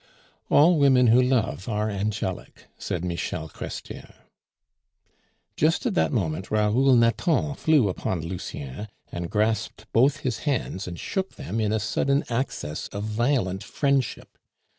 "All women who love are angelic," said Michel Chrestien. Just at that moment Raoul Nathan flew upon Lucien, and grasped both his hands and shook them in a sudden access of violent friendship.